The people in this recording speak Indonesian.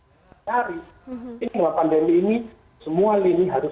harus berjalan secara maksimal